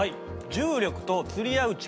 重力とつり合う力